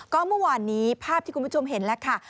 ก็เมื่อวานนี้ภาพที่คุณผู้ชมเห็นแล้วค่ะ